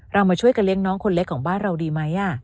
มาช่วยกันเลี้ยงน้องคนเล็กของบ้านเราดีไหม